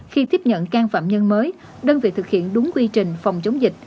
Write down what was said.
khi tiếp nhận can phạm nhân mới đơn vị thực hiện đúng quy trình phòng chống dịch